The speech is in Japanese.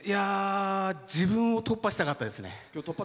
自分を突破したかったですね。